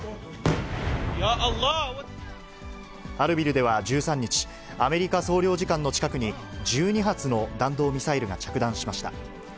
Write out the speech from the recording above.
アルビルでは１３日、アメリカ総領事館の近くに、１２発の弾道ミサイルが着弾しました。